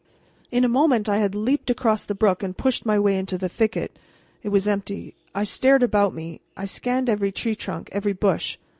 In a moment I had leaped across the brook and pushed my way into the thicket. It was empty. I stared about me; I scanned every tree trunk, every bush.